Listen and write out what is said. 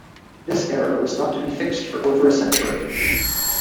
This error was not to be fixed for over a century.